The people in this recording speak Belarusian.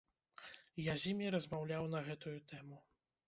Я з імі размаўляў на гэтую тэму.